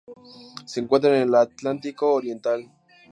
Se encuentran en el Atlántico oriental.